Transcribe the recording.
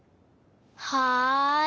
はい。